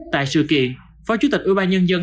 tại sự kiện phó chủ tịch ưu ba nhân dân